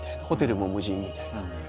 ホテルも無人みたいな。